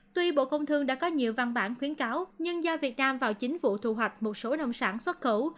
tuy bộ công thương đã có nhiều văn bản khuyến cáo nhưng do việt nam vào chính vụ thu hoạch một số nông sản xuất khẩu